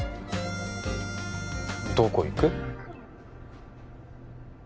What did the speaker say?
どこ行く？